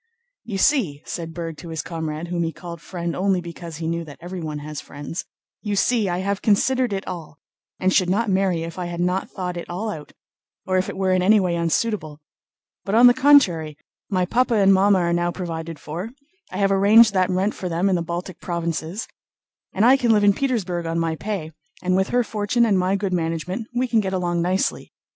"You see," said Berg to his comrade, whom he called "friend" only because he knew that everyone has friends, "you see, I have considered it all, and should not marry if I had not thought it all out or if it were in any way unsuitable. But on the contrary, my papa and mamma are now provided for—I have arranged that rent for them in the Baltic Provinces—and I can live in Petersburg on my pay, and with her fortune and my good management we can get along nicely.